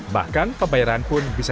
bahkan pembayaran pun bisa